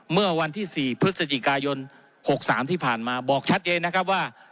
เมื่อวันที่๔พฤศจิกายน๖๓ที่ผ่านมาบอกชัดเจนนะครับว่า